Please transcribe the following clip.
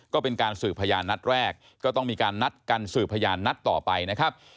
ก็เป็นการสืบพยานนัดแรกก็ต้องมีการนัดกันสืบพยานนัดต่อไปนะครับ